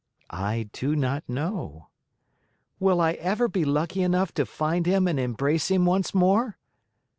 "I do not know." "Will I ever be lucky enough to find him and embrace him once more?"